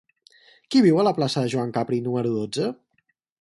Qui viu a la plaça de Joan Capri número dotze?